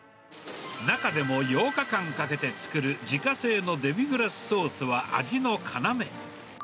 中でも８日間かけて作る自家製のデミグラスソースは味の要。